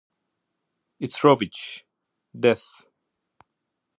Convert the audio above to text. It's rubbish, death.